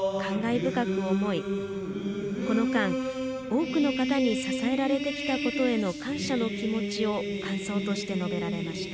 深く思いこの間、多くの方に支えられてきたことへの感謝の気持ちを感想として述べられました。